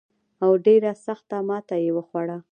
او ډېره سخته ماته یې وخوړه.